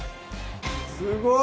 すごい！